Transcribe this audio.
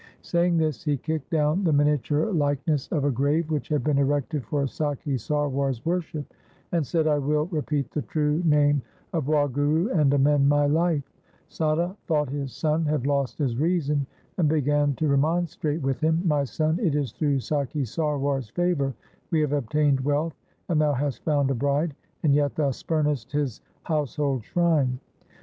1 Saying this he kicked down the miniature likeness 1 Sorath, Ashtapadi. LIFE OF GURU HAR GOBIND 149 of a grave which had been erected for Sakhi Sarwar's worship, and said, ' I will repeat the true Name of Wahguru and amend my life.' Sada thought his son had lost his reason, and began to remonstrate with him, ' My son, it is through Sakhi Sarwar's favour we have obtained wealth and thou hast found a bride, and yet thou spurnest his household shrine.'